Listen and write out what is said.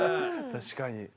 確かに。